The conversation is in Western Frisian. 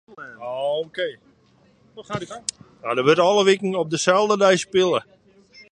Der wurdt alle wiken op deselde dei spile.